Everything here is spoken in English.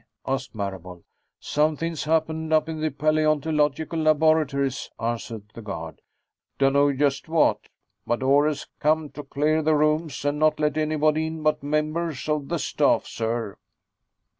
asked Marable. "Somethin's happened up in the paleontological laboratories," answered the guard. "Dunno just what, but orders come to clear the rooms and not let anybody in but members of the staff, sir."